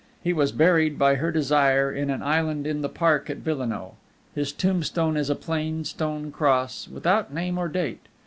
He was buried by her desire in an island in the park at Villenoix. His tombstone is a plain stone cross, without name or date.